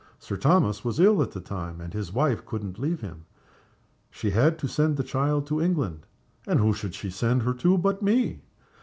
Sir Thomas was ill at the time, and his wife couldn't leave him. She had to send the child to England, and who should she send her to but me?